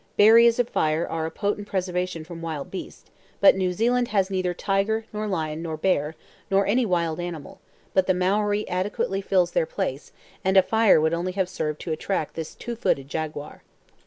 Barriers of fire are a potent preservation from wild beasts, but New Zealand has neither tiger, nor lion, nor bear, nor any wild animal, but the Maori adequately fills their place, and a fire would only have served to attract this two footed jaguar.